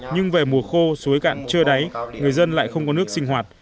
nhưng về mùa khô suối cạn chưa đáy người dân lại không có nước sinh hoạt